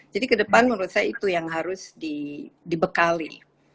jadi ke depan menurut saya itu yang harus dibekali